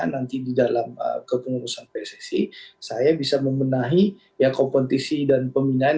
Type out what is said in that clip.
nanti di dalam kepengurusan pssi saya bisa membenahi kompetisi dan pembinaan